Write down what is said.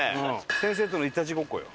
先生とのいたちごっこよ。